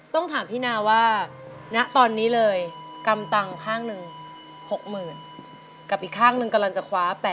ต้องถามพี่นาว่าณตอนนี้เลยกำตังข้างหนึ่ง๖๐๐๐กับอีกข้างหนึ่งกำลังจะคว้า๘๐๐